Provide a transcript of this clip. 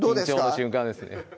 緊張の瞬間ですね